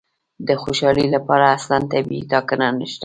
د خوشالي لپاره اصلاً طبیعي ټاکنه نشته.